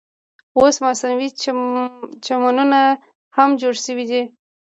اوس مصنوعي چمنونه هم جوړ شوي دي.